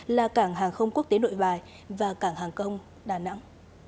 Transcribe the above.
là cảng hàng không quốc tế nội bài và cảng hàng công đà nẵng